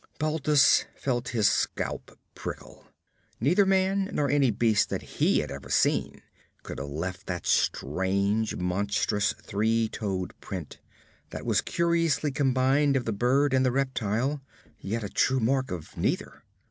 Balthus felt his scalp prickle. Neither man nor any beast that he had ever seen could have left that strange, monstrous three toed print, that was curiously combined of the bird and the reptile, yet a true type of neither.